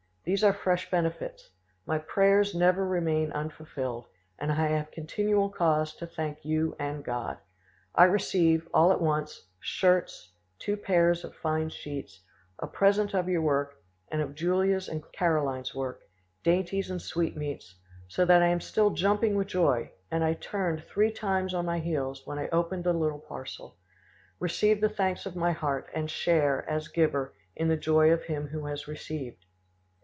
These are fresh benefits. My prayers never remain unfulfilled, and I have continual cause to thank you and God. I receive, all at once, shirts, two pairs of fine sheets, a present of your work, and of Julia's and Caroline's work, dainties and sweetmeats, so that I am still jumping with joy and I turned three times on my heels when I opened the little parcel. Receive the thanks of my heart, and share, as giver, in the joy of him who has received.